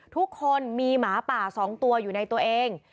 ทุกคนมีหมาป่า๒ตัวอยู่ในตัวเอง